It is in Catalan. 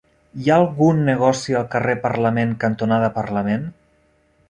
Hi ha algun negoci al carrer Parlament cantonada Parlament?